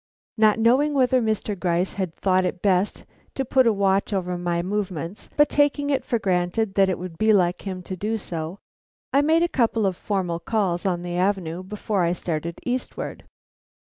Not knowing whether Mr. Gryce had thought it best to put a watch over my movements, but taking it for granted that it would be like him to do so, I made a couple of formal calls on the avenue before I started eastward.